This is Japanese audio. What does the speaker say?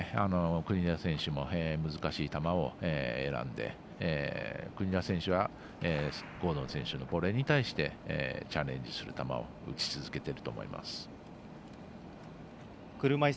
国枝選手も難しい球を選んで国枝選手は、ゴードン選手のボレーに対してチャレンジする球を打ち続けていると思います。